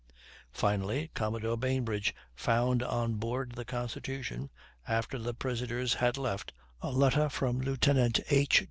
Finally, Commodore Bainbridge found on board the Constitution, after the prisoners had left, a letter from Lieutenant H.